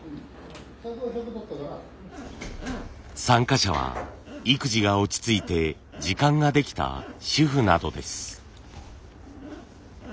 参加者は育児が落ち着いて時間ができた主婦などです。